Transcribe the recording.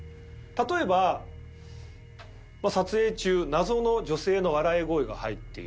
例えば撮影中謎の女性の笑い声が入っているとか。